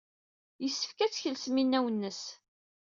Yessefk ad tkelsem inaw-nnes.